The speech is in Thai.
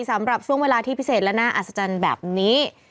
สำหรับช่วงเวลาที่พิเศษและน่าอัศจรรย์แบบนี้